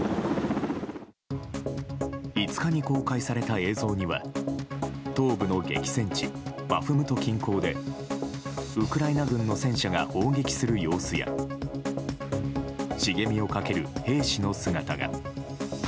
５日に公開された映像には東部の激戦地バフムト近郊でウクライナ軍の戦車が砲撃する様子や茂みを駆ける兵士の姿が。